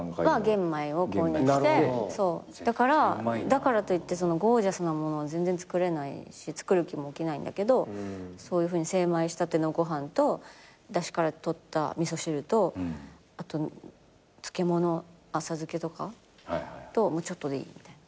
だからといってゴージャスなものは全然作れないし作る気も起きないんだけどそういうふうに精米したてのご飯とだしから取った味噌汁とあと漬物浅漬けとかとちょっとでいいみたいな。